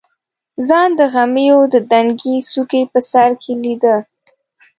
ځان د غمیو د دنګې څوکې په سر کې لیده.